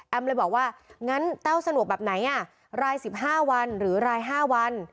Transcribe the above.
เลยบอกว่างั้นแต้วสะดวกแบบไหนราย๑๕วันหรือราย๕วัน